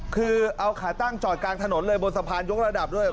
คือเอาขาตั้งจอดกลางถนนเลยบนสะพานยกระดับด้วย